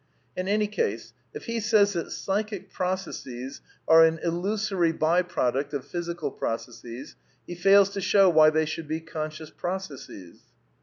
In any case, if he says that psychic processes are an illusory by product of physical processes, he fails to show why they shotdd b© conscious processes.